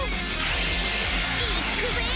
いっくぜぇ！